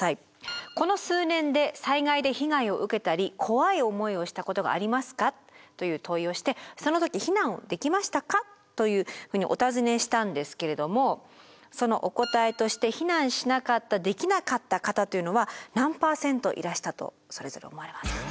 この数年で災害で被害を受けたり怖い思いをしたことがありますかという問いをして「そのとき避難できましたか？」というふうにお尋ねしたんですけれどもそのお答えとして避難しなかったできなかった方というのは何％いらしたとそれぞれ思われますか？